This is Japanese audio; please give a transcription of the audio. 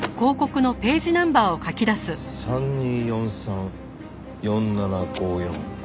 ３２４３４７５４。